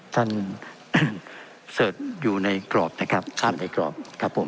เสิร์ชอยู่ในกรอบนะครับทราบในกรอบครับผม